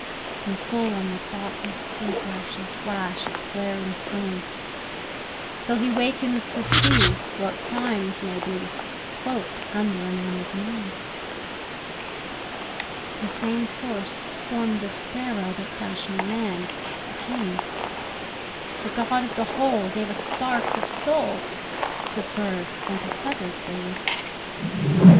And full on the thoughtless sleeper Shall flash its glaring flame, Till he wakens to see what crimes may be Cloaked under an honoured name. The same Force formed the sparrow That fashioned man, the king; The God of the Whole gave a spark of soul To furred and to feathered thing.